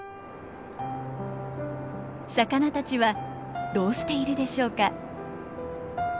魚たちはどうしているでしょうか。